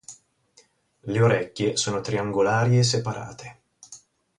Le orecchie sono triangolari e separate.